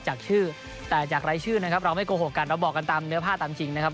จากชื่อแต่จากรายชื่อนะครับเราไม่โกหกกันเราบอกกันตามเนื้อผ้าตามจริงนะครับ